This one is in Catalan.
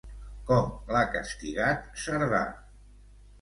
Com l'ha castigat Cerdà?